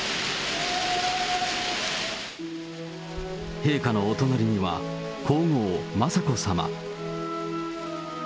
陛下のお隣には、皇后雅子さま。